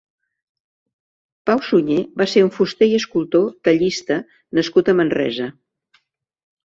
Pau Sunyer va ser un fuster i escultor tallista nascut a Manresa.